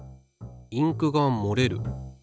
インクがもれる。